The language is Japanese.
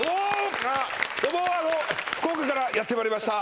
どうもどうもあの福岡からやってまいりました